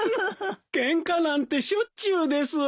ケンカなんてしょっちゅうですわい。